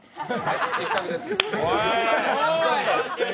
失格です。